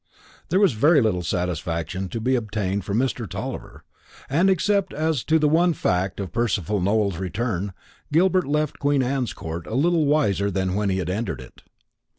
There was very little satisfaction, to be obtained from Mr. Tulliver; and except as to the one fact of Percival Nowell's return, Gilbert left Queen Anne's Court little wiser than when he entered it.